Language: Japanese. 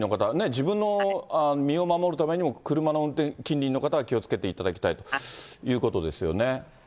自分の身を守るためにも、車の運転、近隣の方は気をつけていただきたいということですよね。